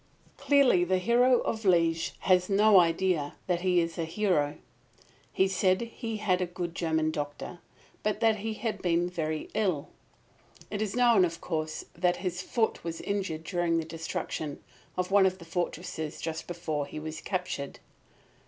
Clearly the hero of Liège has no idea that he is a hero. He said he had a good German doctor, but that he had been very ill. It is known, of course, that his foot was injured during the destruction of one of the fortresses just before he was captured.